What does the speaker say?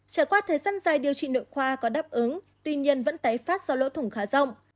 trải qua thời gian dài điều trị nội khoa có đáp ứng tuy nhiên vẫn tái phát do lỗ thủng khá rộng